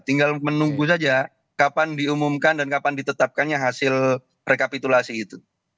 tinggal menunggu saja kapan diumumkan dan kapan ditetapkannya hasil rekapitulasi itu